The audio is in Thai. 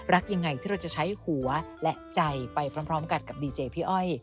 รักยังไงที่เราจะใช้หัวและใจไปพร้อมกันกับดีเจพี่อ้อย